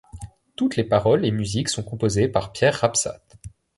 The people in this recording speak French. Toutes les paroles et musiques sont composées par Pierre Rapsat.